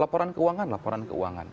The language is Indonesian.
laporan keuangan laporan keuangan